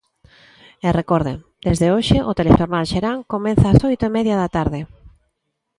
E recorden: desde hoxe o Telexornal Serán comeza ás oito e media da tarde.